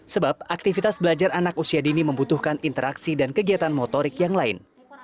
sebab aktivitas belajar anak usia dini membutuhkan interaksi dan kegiatan motorik yang lain